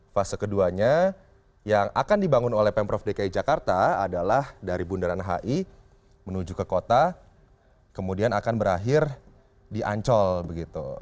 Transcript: fase keduanya yang akan dibangun oleh pemprov dki jakarta adalah dari bundaran hi menuju ke kota kemudian akan berakhir di ancol begitu